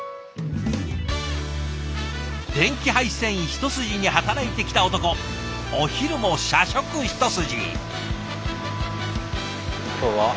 電気配線一筋に働いてきた男お昼も社食一筋。